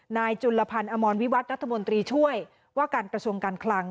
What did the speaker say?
จุลพันธ์อมรวิวัตรรัฐมนตรีช่วยว่าการกระทรวงการคลัง